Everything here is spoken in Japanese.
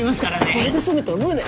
これで済むと思うなよ。